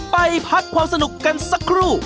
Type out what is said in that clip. ไปพักความสนุกกันสักครู่